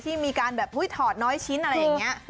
มีการแบบถอดน้อยชิ้นอะไรอย่างนี้